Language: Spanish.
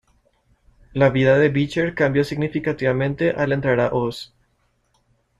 La vida de Beecher cambia significativamente al entrar a oz.